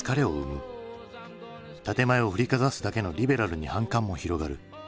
建て前を振りかざすだけのリベラルに反感も広がる。